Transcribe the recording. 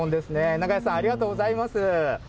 長屋さん、ありがとうございます。